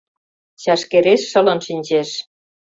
Чашкереш шылын шинчеш.